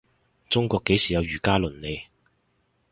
中國幾時有儒家倫理